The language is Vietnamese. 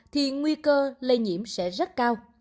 thì nguy cơ lây nhiễm sẽ rất cao